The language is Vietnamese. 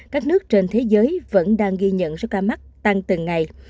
các nước trên thế giới vẫn đang ghi nhận số ca mắc tăng từng ngày